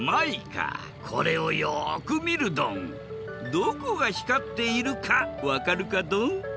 どこが光っているかわかるかドン？